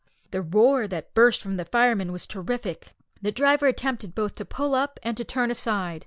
The roar that burst from the firemen was terrific. The driver attempted both to pull up and to turn aside.